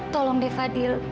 tolong deh fadil